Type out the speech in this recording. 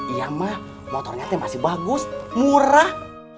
iya ma motor nyatanya masih bagus murah